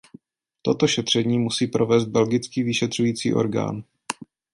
Toto šetření musí provést belgický vyšetřující orgán.